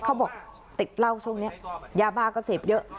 เขาบอกติดเหล้าช่วงนี้ยาบ้าก็เสพเยอะ